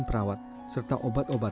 ibu bapak sudah selesai berusaha